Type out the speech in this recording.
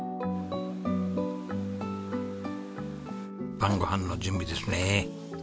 晩ご飯の準備ですね。